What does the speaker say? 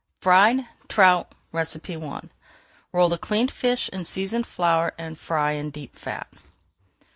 FRIED TROUT I Roll the cleaned fish in seasoned flour and fry in deep fat.